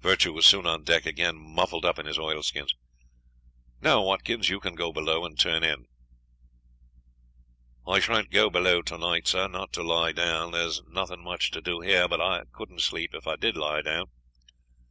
Virtue was soon on deck again, muffled up in his oilskins. "Now, Watkins, you can go below and turn in." "I shan't go below tonight, sir not to lie down. There's nothing much to do here, but I couldn't sleep, if I did lie down."